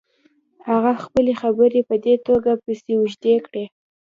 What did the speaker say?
هغه خپلې خبرې په دې توګه پسې اوږدې کړې.